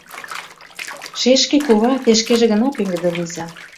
Шешке, кува, те шкеже гына пеҥгыде лийза.